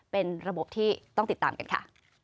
เป็นระบบที่ต้องติดตามกันค่ะ